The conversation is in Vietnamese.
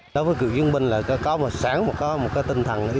tại hội nghị